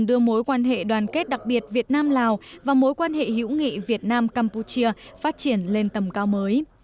đưa mối quan hệ đoàn kết đặc biệt việt nam lào và mối quan hệ hữu nghị việt nam campuchia phát triển lên tầm cao mới